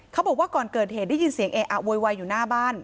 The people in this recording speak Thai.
เขาบอกว่าก่อนเกิดเหตุได้ยินเสียงเออะโวยวายอยู่หน้าบ้าน